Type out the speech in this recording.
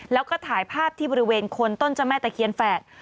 แล้วก็ถ่ายภาพที่บริเวณคนต้นเจ้าแม่ตะเคียนแฝด